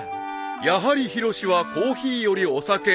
［やはりヒロシはコーヒーよりお酒］